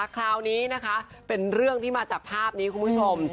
คราวนี้นะคะเป็นเรื่องที่มาจากภาพนี้คุณผู้ชม